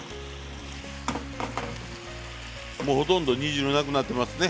もうほとんど煮汁なくなってますね。